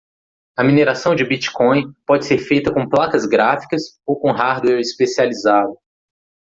A mineração de Bitcoin pode ser feita com placas gráficas ou com hardware especializado.